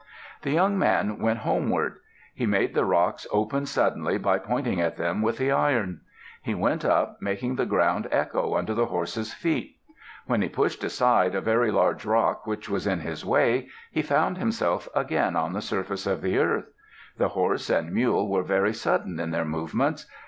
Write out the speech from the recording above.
The young man went homeward. He made the rocks open suddenly by pointing at them with the iron. He went up, making the ground echo under the horse's feet. When he pushed aside a very large rock which was in his way, he found himself again on the surface of the earth. The horse and mule were very sudden in their movements.